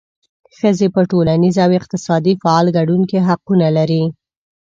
ښځې په ټولنیز او اقتصادي فعال ګډون کې حقونه لري.